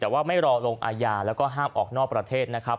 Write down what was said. แต่ว่าไม่รอลงอาญาแล้วก็ห้ามออกนอกประเทศนะครับ